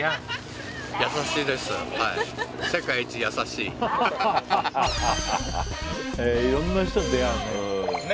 いろんな人に出会うね。